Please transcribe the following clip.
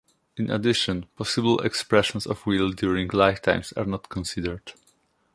In addition, possible expressions of will during lifetimes are not considered.